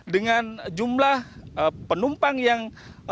dengan jumlah penumpang yang